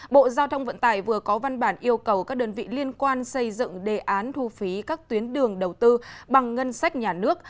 bộ giao thông vận tải vừa có văn bản yêu cầu các đơn vị liên quan xây dựng đề án thu phí các tuyến đường đầu tư bằng ngân sách nhà nước